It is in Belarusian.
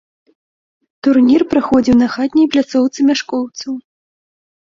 Турнір праходзіў на хатняй пляцоўцы мяшкоўцаў.